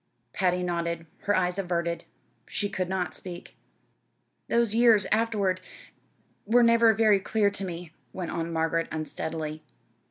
Patty nodded, her eyes averted. She could not speak. "Those years afterward, were never very clear to me," went on Margaret, unsteadily.